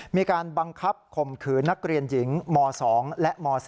มีการบังคับข่มขืนนักเรียนหญิงม๒และม๓